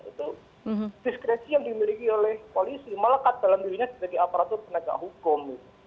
itu diskresi yang dimiliki oleh polisi melekat dalam dirinya sebagai aparatur penegak hukum